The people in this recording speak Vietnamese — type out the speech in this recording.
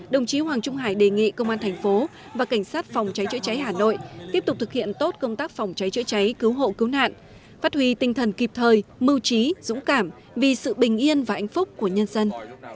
đồng chí hoàng trung hải đề nghị công an thành phố và cảnh sát phòng cháy chữa cháy hà nội tiếp tục thực hiện tốt công tác phòng cháy chữa cháy cứu hộ cứu nạn phát huy tinh thần kịp thời mưu trí dũng cảm vì sự bình yên và hạnh phúc của nhân dân